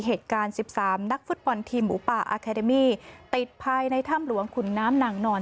เหตุการณ์๑๓นักฟุตบอลทีมหมูป่าอาคาเดมี่ติดภายในถ้ำหลวงขุนน้ำนางนอน